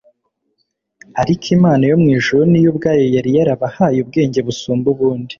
ariko Imana yo mu ijuru ni yo ubwayo yari yarabahaye ubwenge busumba ubundi.